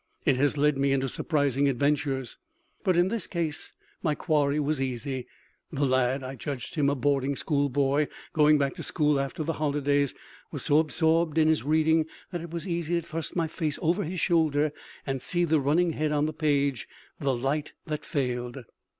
It has led me into surprising adventures. But in this case my quarry was easy. The lad I judged him a boarding school boy going back to school after the holidays was so absorbed in his reading that it was easy to thrust my face over his shoulder and see the running head on the page "The Light That Failed."